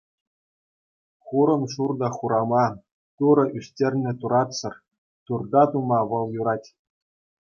Хурӑншурта хурама —турӑ ӳстернӗ туратсӑр, турта тума вӑл юрать.